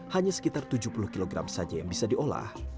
hanya sekitar tujuh puluh kg saja yang bisa diolah